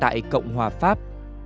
tại cộng hòa pháp